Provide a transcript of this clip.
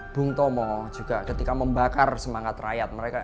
bung tomo juga ketika membakar semangat rakyat mereka